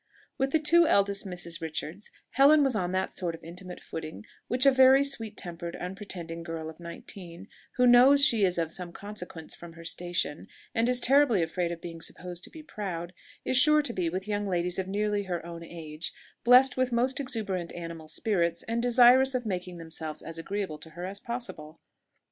With the two eldest Misses Richards, Helen was on that sort of intimate footing which a very sweet tempered, unpretending girl of nineteen, who knows she is of some consequence from her station, and is terribly afraid of being supposed to be proud, is sure to be with young ladies of nearly her own age, blessed with most exuberant animal spirits, and desirous of making themselves as agreeable to her as possible.